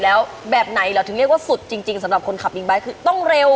แล้วแบบไหนเหรอถึงเรียกว่าสุดจริงสำหรับคนขับบิ๊กไบท์คือต้องเร็ว